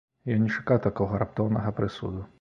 Ён не чакаў такога раптоўнага прысуду.